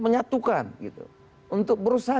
menyatukan gitu untuk berusaha